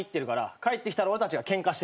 帰ってきたら俺たちがケンカしてると。